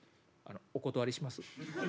「お断りします。